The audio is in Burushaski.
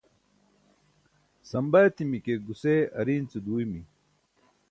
samba etimi ke guse ariin ce duuymi